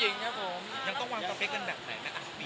ยังต้องวางตัวเพลงกันแบบไหนนะ